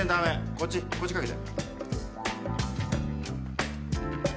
こっちこっちかけて。